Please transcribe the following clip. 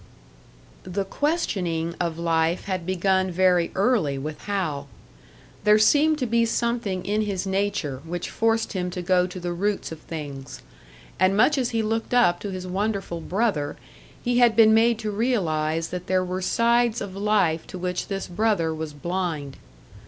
The questioning of life had begun very early with Hal; there seemed to be something in his nature which forced him to go to the roots of things; and much as he looked up to his wonderful brother, he had been made to realise that there were sides of life to which this brother was blind.